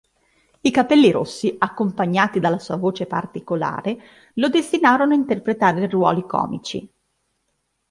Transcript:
I capelli rossi accompagnati alla sua voce particolare, lo destinarono a interpretare ruoli comici.